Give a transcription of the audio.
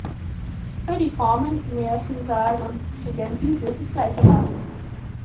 Für die Formen Märchen, Sagen und Legenden gilt dies gleichermaßen.